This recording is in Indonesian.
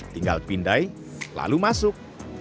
tinggal pindai lalu masuk